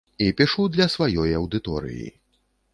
І пішу для сваёй аўдыторыі.